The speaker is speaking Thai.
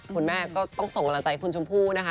คุณแม่ก็ต้องส่งกำลังใจคุณชมพู่นะคะ